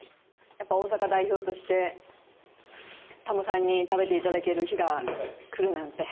やっぱ大阪代表としてタモさんに食べて頂ける日が来るなんて。